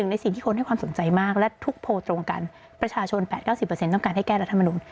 ในสิ่งที่คนให้ความสนใจมากและทุกโพลตรงกันประชาชน๘๙๐ต้องการให้แก้รัฐมนุน